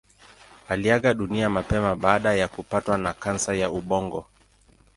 Aliaga dunia mapema baada ya kupatwa na kansa ya ubongo.